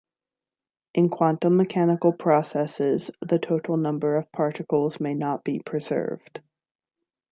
In quantum mechanical processes the total number of particles may not be preserved.